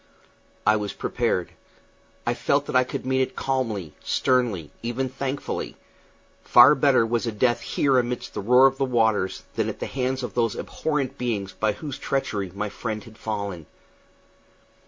I was prepared. I felt that I could meet it calmly, sternly, even thankfully; far better was a death here amid the roar of waters than at the hands of those abhorrent beings by whose treachery my friend had fallen.